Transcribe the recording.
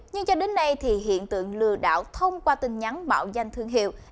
nhưng cho đến nay thì hiện tượng lừa đảo thông qua tin nhắn mạo danh thương hiệu